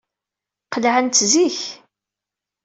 Qelɛent zik.